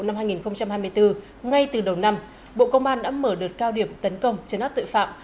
năm hai nghìn hai mươi bốn ngay từ đầu năm bộ công an đã mở đợt cao điểm tấn công chấn áp tội phạm